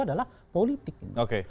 adalah politik oke